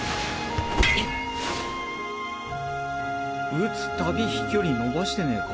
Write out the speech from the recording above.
打つたび飛距離伸ばしてねぇか？